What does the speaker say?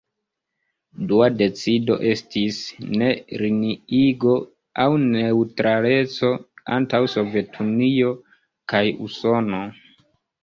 Dua decido estis "Ne-Liniigo" aŭ neŭtraleco antaŭ Sovetunio kaj Usono.